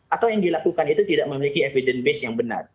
atau yang dilakukan itu tidak memiliki evidence base yang benar